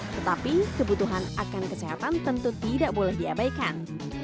tetapi kebutuhan akan kesehatan tentu tidak boleh diabaikan